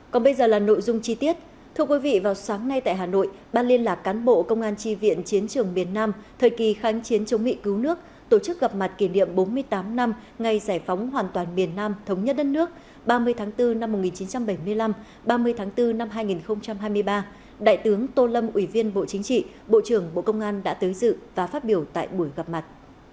còn bây giờ là nội dung chi tiết thưa quý vị vào sáng nay tại hà nội ban liên lạc cán bộ công an tri viện chiến trường biển nam thời kỳ kháng chiến chống mỹ cứu nước tổ chức gặp mặt kỷ niệm bốn mươi tám năm ngày giải phóng hoàn toàn biển nam thống nhất đất nước ba mươi tháng bốn năm một nghìn chín trăm bảy mươi năm ba mươi tháng bốn năm hai nghìn hai mươi ba đại tướng tô lâm ủy viên bộ chính trị bộ trưởng bộ công an đã tới dự và phát biểu tại buổi gặp mặt